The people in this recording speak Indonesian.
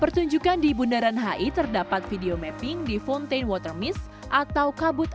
pertunjukan di bundaran hi terdapat video mapping di fountain water miss atau kabut